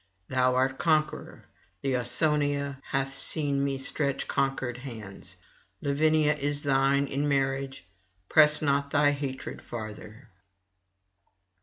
Thou art conqueror, and Ausonia hath seen me stretch conquered hands. Lavinia is thine in marriage; press not thy hatred farther.'